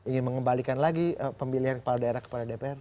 ingin mengembalikan lagi pemilihan kepala daerah kepada dpr